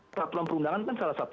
peraturan perundangan kan salah satu